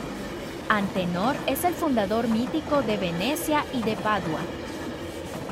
Antenor es el fundador mítico de Venecia y de Padua.